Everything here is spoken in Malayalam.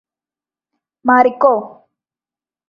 മാറിക്കോ